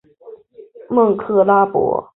蒙克拉博。